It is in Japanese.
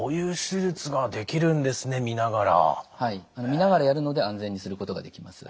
見ながらやるので安全にすることができます。